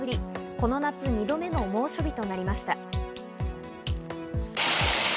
この夏２度目の猛暑日となりました。